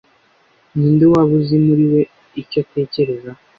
Ninde waba azi muri we icyo atekereza